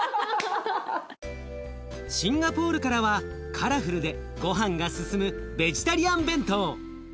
シンガポールからはカラフルでごはんが進むベジタリアン弁当。